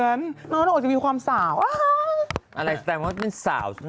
เอาแล้ว